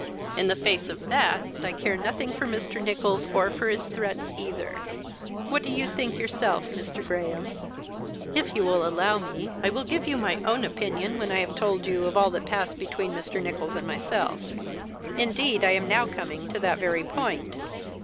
In the face of that, I care nothing for Mr. Nicholls, or for his threats either. What do you think yourself, Mr. Graham?" "If you will allow me, I will give you my own opinion when I have told you of all that passed between Mr. Nicholls and myself. Indeed, I am now coming to that very point."